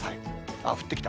あっ、降ってきた。